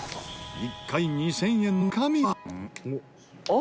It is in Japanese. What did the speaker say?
１回２０００円のおっ？